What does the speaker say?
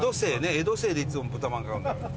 江戸清でいつもブタまん買うんだよ。